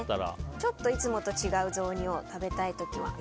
ちょっといつもと違う雑煮を食べたい時は。